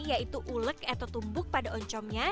yaitu ulek atau tumbuk pada oncomnya